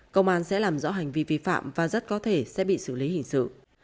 công an sẽ làm rõ hành vi vi phạm và rất có thể sẽ bị xử lý hình sự